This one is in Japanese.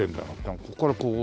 ここからこう。